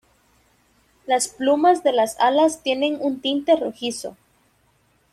Las plumas de las alas tienen un tinte rojizo.